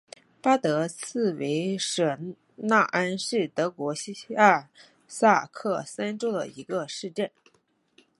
巴德茨维舍纳恩是德国下萨克森州的一个市镇。